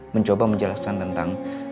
mencoba menjelaskan tentang